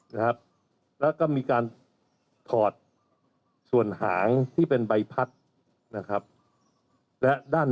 นะครับแล้วก็มีการถอดส่วนหางที่เป็นใบพัดนะครับและด้าน